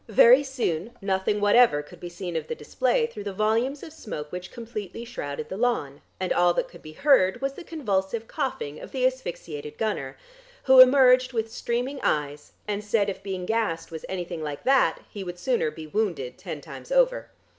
Very soon nothing whatever could be seen of the display through the volumes of smoke which completely shrouded the lawn, and all that could be heard was the convulsive coughing of the asphyxiated gunner, who emerged with streaming eyes and said if being gassed was anything like that he would sooner be wounded ten times over.